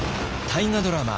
大河ドラマ